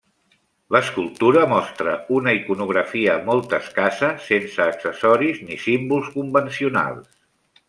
L'escultura mostra una iconografia molt escassa, sense accessoris ni símbols convencionals.